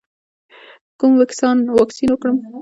کوم واکسین وکړم؟